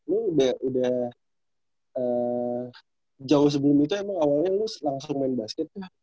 lu udah jauh sebelum itu emang awalnya lu langsung main basket ya